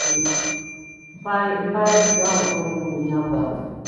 Mpaayo ntya okwemulugunya kwange?